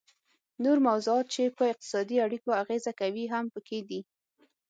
نور موضوعات چې په اقتصادي اړیکو اغیزه کوي هم پکې دي